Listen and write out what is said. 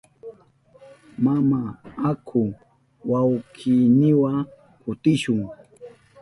Mama, aku wawkiyniwa kutishun.